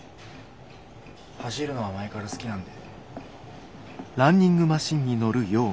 走るのは前から好きなんで。